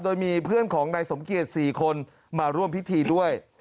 โดยมีเพื่อนของนายสมเกียจ๔คนมาร่วมพิธีด้วย